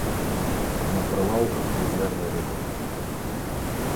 На прылаўках мізэрны выбар.